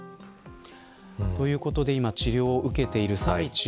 ということで今治療を受けている最中。